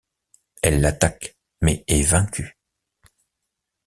Elle l'attaque mais est vaincu.